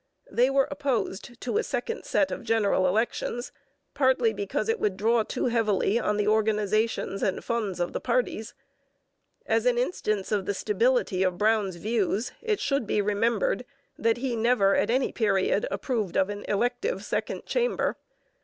They were opposed to a second set of general elections, partly because it would draw too heavily on the organizations and funds of the parties. As an instance of the stability of Brown's views, it should be remembered that he never, at any period, approved of an elective second chamber.